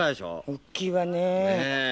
おっきいわねぇ。